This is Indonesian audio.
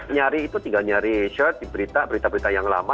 nyari itu tinggal nyari shart di berita berita yang lama